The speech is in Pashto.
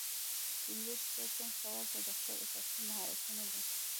پنځه شپیتم سوال د دفتر اساسي مهارتونه دي.